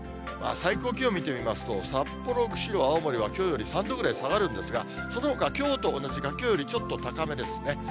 最高気温見てみますと、札幌、釧路、青森はきょうより３度ぐらい下がるんですが、そのほか、きょうと同じか、きょうよりちょっと高めですね。